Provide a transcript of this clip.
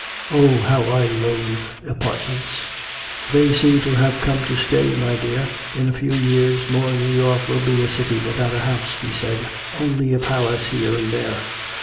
"Oh, how I loathe apartments!" "They seem to have come to stay, my dear. In a few years more New York will be a city without a house," he said. "Only a palace here and there."